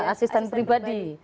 iya asisten pribadi